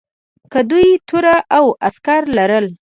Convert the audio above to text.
که دوی توره او عسکر لرل.